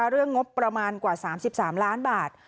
เรื่องงบประมาณกว่า๓๓ล้านบาท